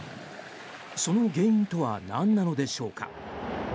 その原因とはなんなのでしょうか。